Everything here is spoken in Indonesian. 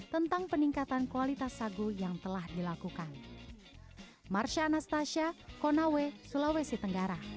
tentang peningkatan kualitas sagu yang telah dilakukan